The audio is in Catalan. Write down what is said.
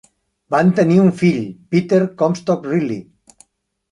Van tenir un fill, Peter Comstock Riley.